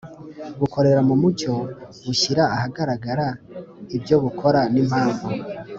bukorera mu mucyo bushyira ahagaragara ibyo bukora n'impamvu